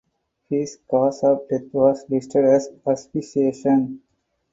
His cause of death was listed as asphyxiation.